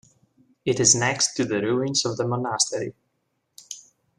It is next to the ruins of the monastery.